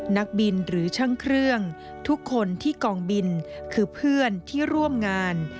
นักบินหรือช่างเครื่องทุกคนที่กองบินคือเพื่อนที่ร่วมงาน